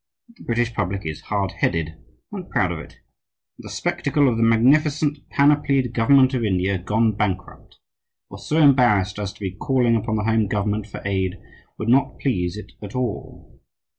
But the British public is hard headed, and proud of it; and the spectacle of the magnificent, panoplied government of India gone bankrupt, or so embarrassed as to be calling upon the Home government for aid, would not please it at all.